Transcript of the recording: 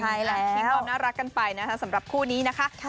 ใช่แหละมีความน่ารักกันไปนะคะสำหรับคู่นี้นะคะ